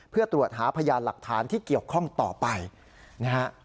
เพื่อตรวจหาพยานหลักฐานที่เกี่ยวข้องต่อไปนะฮะ